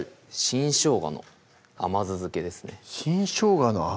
新しょうがの甘酢漬けはい